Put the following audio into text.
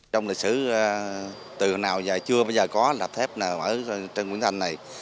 trong lịch sử từ hồi nào giờ chưa bây giờ có đập thép ở trần quỳnh thành này